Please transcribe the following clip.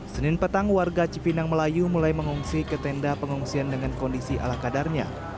senin petang warga cipinang melayu mulai mengungsi ke tenda pengungsian dengan kondisi ala kadarnya